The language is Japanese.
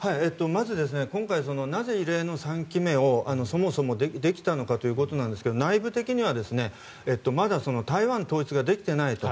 まず今回、異例の３期目をそもそもできたのかということなんですが内部的には、まだ台湾統一ができていないと。